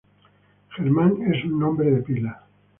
Germán es un nombre de pila.